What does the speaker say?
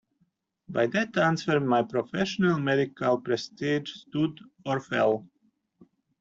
By that answer my professional medical prestige stood or fell.